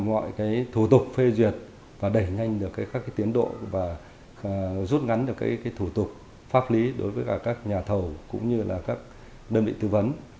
mọi thủ tục phê duyệt và đẩy nhanh được các tiến độ và rút ngắn được thủ tục pháp lý đối với cả các nhà thầu cũng như là các đơn vị tư vấn